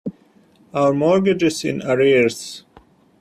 Our mortgage is in arrears.